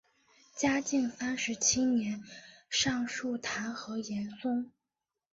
嘉靖三十七年上疏弹劾严嵩。